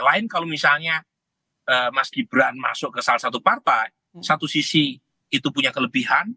lain kalau misalnya mas gibran masuk ke salah satu partai satu sisi itu punya kelebihan